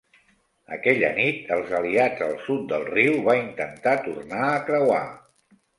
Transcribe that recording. Aquella nit, els aliats al sud del riu va intentar tornar a creuar.